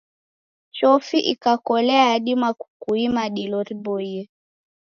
Chofi ikakolea yadima kukuima dilo riboie.